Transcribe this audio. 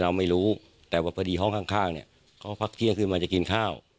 เราไม่รู้แต่ว่าพอดีห้องข้างเนี่ยเขาพักเที่ยงคืนมาจะกินข้าว